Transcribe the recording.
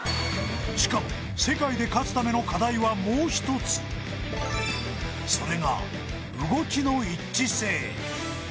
しかも世界で勝つための課題はもうひとつそれが動きの一致性